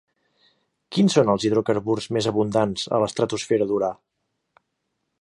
Quins són els hidrocarburs més abundants a l'estratosfera d'Urà?